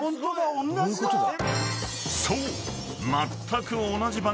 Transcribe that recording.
［そう］